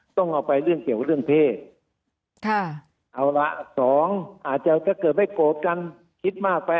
ต้องเอาไปเรื่องเกี่ยวกับเรื่องเพศเอาละสองอาจจะถ้าเกิดไม่โกรธกันคิดมากไป